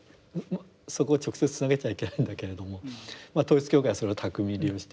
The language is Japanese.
そこを直接つなげちゃいけないんだけれども統一教会はそれを巧みに利用しています。